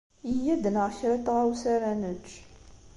Iyya ad d-naɣ kra n tɣawsa ara nečč.